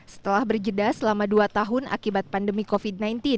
setelah berjeda selama dua tahun akibat pandemi covid sembilan belas